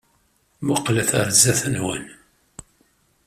Mmuqqlet ɣer sdat-wen.